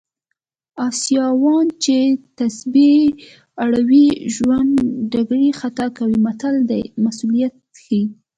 اسیاوان چې تسبې اړوي ژرندګړی خطا کوي متل د مسوولیت ښيي